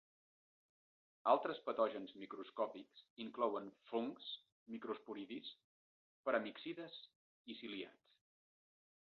Altres patògens microscòpics inclouen fongs, microsporidis, paramyxides i ciliats.